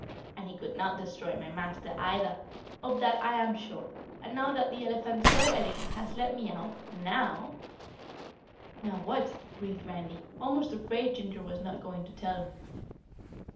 "And he could not destroy my Master either. Of that I am sure, and now that the elephant so elegant has let me out NOW " "Now what?" breathed Randy, almost afraid Ginger was not going to tell him.